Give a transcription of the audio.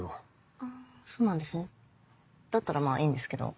あぁそうなんですねだったらいいんですけど。